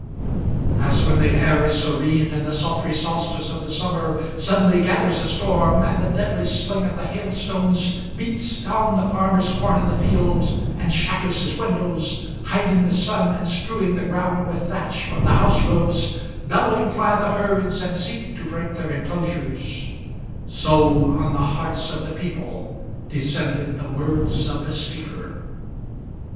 As, when the air is serene in the sultry solstice of summer, Suddenly gathers a storm, and the deadly sling of the hailstones Beats down the farmer's corn in the field and shatters his windows, Hiding the sun, and strewing the ground with thatch from the house roofs, Bellowing fly the herds, and seek to break their enclosures; So on the hearts of the people descended the words of the speaker.